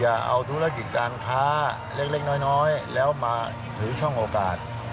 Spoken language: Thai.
เอาธุรกิจการค้าเล็กน้อยแล้วมาถือช่องโอกาส